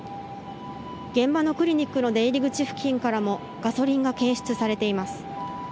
現場のクリニックの出入り口付近からもガソリンが検出されています。